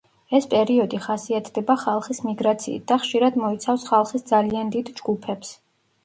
ეს პერიოდი ხასიათდება ხალხის მიგრაციით და ხშირად მოიცავს ხალხის ძალიან დიდ ჯგუფებს.